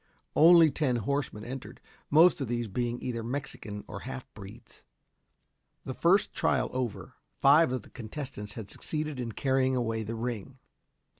Only ten horsemen entered, most of these being either Mexicans or halfbreeds. The first trial over, five of the contestants had succeeded in carrying away the ring.